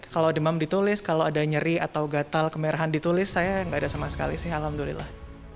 kalau demam ditulis kalau ada nyeri atau gatal kemerahan ditulis saya nggak ada sama sekali sih alhamdulillah